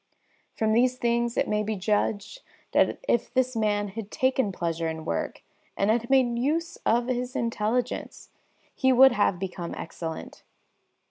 From these things it may be judged that if this man had taken pleasure in work and had made use of his intelligence, he would have become excellent.